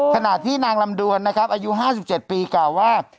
ขณะที่นางลำดวนนะครับอายุ๕๗ปีกล่าวว่า